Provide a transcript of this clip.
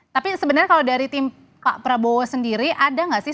tapi sebenarnya kalau dari tim pak prabowo sendiri ada nggak sih